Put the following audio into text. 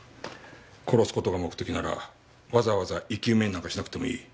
殺す事が目的ならわざわざ生き埋めになんかしなくてもいい。